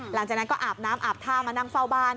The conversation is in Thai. หลังจากนั้นก็อาบน้ำอาบท่ามานั่งเฝ้าบ้าน